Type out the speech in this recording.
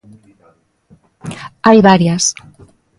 Hai varias.